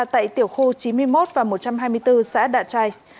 tại tiểu khu chín mươi một và một trăm hai mươi bốn xã đạ trais